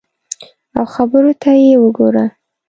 او خبرو ته یې وګوره !